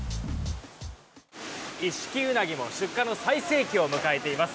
一色うなぎも出荷の最盛期を迎えています。